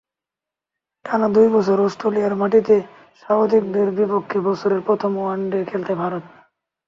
টানা দুই বছর অস্ট্রেলিয়ার মাটিতে স্বাগতিকদের বিপক্ষে বছরের প্রথম ওয়ানডে খেলল ভারত।